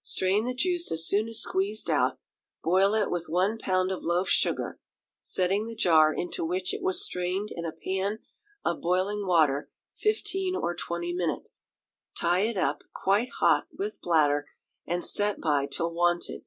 Strain the juice as soon as squeezed out, boil it with one pound of loaf sugar (setting the jar into which it was strained in a pan of boiling water fifteen or twenty minutes); tie it up, quite hot, with bladder, and set by till wanted.